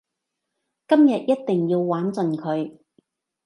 今日一定要玩盡佢